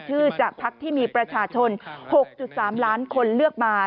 ชื่อจากพักที่มีประชาชน๖๓ล้านคนเลือกมา